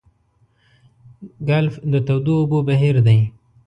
ګلف د تودو اوبو بهیر دی.